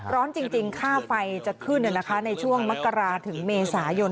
ร้อนจริงค่าไฟจะขึ้นในช่วงมกราถึงเมษายน